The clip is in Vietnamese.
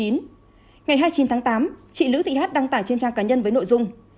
ngày hai mươi chín tháng tám chị lữ thị hát đăng tải trên trang cá nhân với nội dung